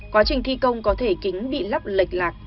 quá trình thi công có thể kính bị lắp lệch lạc